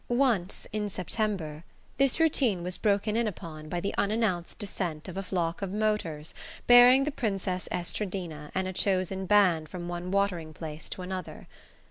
Once, in September, this routine was broken in upon by the unannounced descent of a flock of motors bearing the Princess Estradina and a chosen band from one watering place to another.